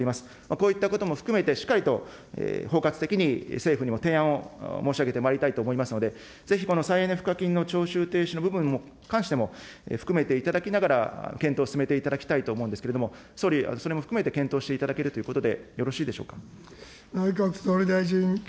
こういったことも含めて、しっかりと包括的に政府にも提案を申し上げてまいりたいと思いますので、ぜひこの再エネ賦課金の徴収停止の部分に関しても、含めていただきながら、検討を進めていただきたいと思いますけれども、総理、それも含めて検討していただけるということでよろしいでしょうか。